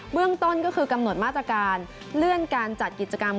เรื่องต้นก็คือกำหนดมาตรการเลื่อนการจัดกิจกรรม